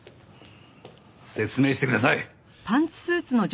説明してください！